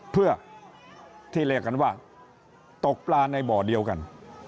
เพื่อที่เรียกกันว่าตกปลาในบ่อเดียวกัน